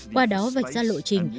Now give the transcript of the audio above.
qua đó vạch ra lộ trình